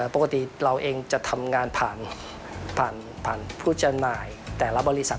ปกติเราเองจะทำงานผ่านผู้จำหน่ายแต่ละบริษัท